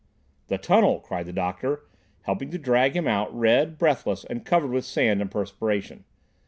"The tunnel!" cried the doctor, helping to drag him out, red, breathless, and covered with sand and perspiration.